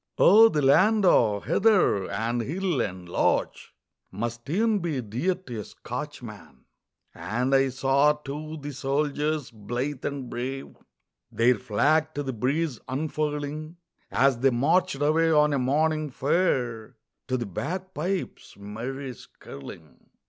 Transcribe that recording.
Oh, the land o' heather and hill and loch Must e'en be dear to a Scotchman. And I saw, too, the soldiers blithe and brave Their flag to the breeze unfurling, As they marched away on a morning fair To the bagpipes' merry skirling.